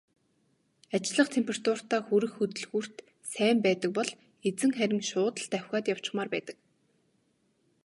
Ажиллах температуртаа хүрэх хөдөлгүүрт сайн байдаг бол эзэн харин шууд л давхиад явчихмаар байдаг.